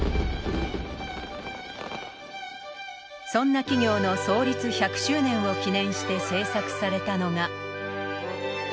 そんな企業の創立１００周年を記念して製作されたのが。